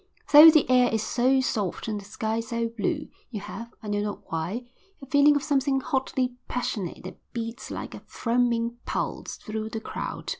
Though the air is so soft and the sky so blue, you have, I know not why, a feeling of something hotly passionate that beats like a throbbing pulse through the crowd.